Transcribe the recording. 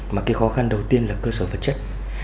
mà cái khó khăn đầu tiên là cơ sở vật chất